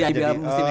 di ibl musim ini